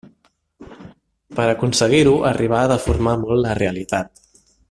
Per aconseguir-ho arribà a deformar molt la realitat.